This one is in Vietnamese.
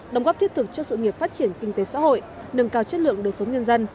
đồng góp thiết thực cho sự nghiệp phát triển kinh tế xã hội nâng cao chất lượng đời sống nhân dân